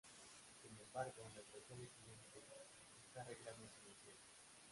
Sin embargo, en las versiones siguientes está regla no se menciona.